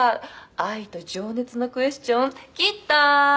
「愛と情熱のクエスチョンきたー」